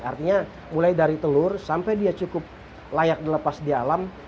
artinya mulai dari telur sampai dia cukup layak dilepas di alam